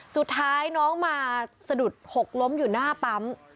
สุดท้ายน้องมาสะดุดหกล้มอยู่หน้าปั๊ม